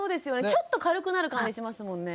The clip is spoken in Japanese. ちょっと軽くなる感じしますもんね。